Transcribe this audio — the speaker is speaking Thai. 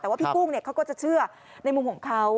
แต่ว่าพี่กุ้งเขาก็จะเชื่อในมุมของเขา